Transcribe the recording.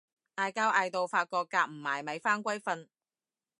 嗌交嗌到發覺夾唔埋咪返歸瞓